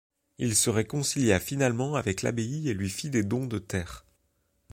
Il se réconcilia finalement avec l'abbaye et lui fit des dons de terre.